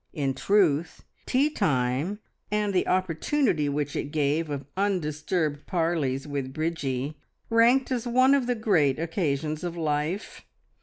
In truth, tea time, and the opportunity which it gave of undisturbed parleys with Bridgie, ranked as one of the great occasions of life.